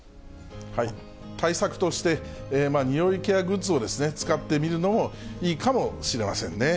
対策として、においケアグッズを使ってみるのもいいかもしれませんね。